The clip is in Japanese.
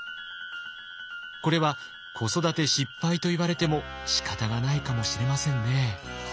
これは子育て失敗と言われてもしかたがないかもしれませんね。